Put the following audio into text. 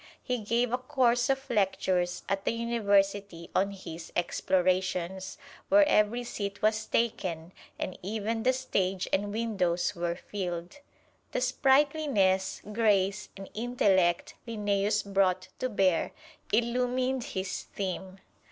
He gave a course of lectures at the University on his explorations, where every seat was taken, and even the stage and windows were filled. The sprightliness, grace and intellect Linnæus brought to bear illumined his theme.